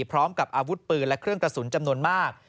พร้อมกับอาวุธปืนและเครื่องกระสุนจำนวนมาก